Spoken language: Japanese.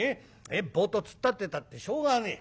ぼっと突っ立ってたってしょうがねえ。